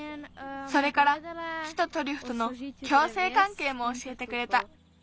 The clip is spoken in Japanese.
それから木とトリュフとの共生関係もおしえてくれた。